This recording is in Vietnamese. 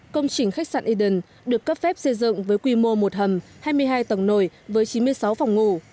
công trình khách sạn eden được cấp phép xây dựng với quy mô một hầm hai mươi hai tầng nồi với chín mươi sáu phòng ngủ